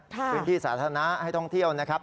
พื้นที่สาธารณะให้ท่องเที่ยวนะครับ